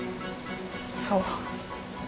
そう。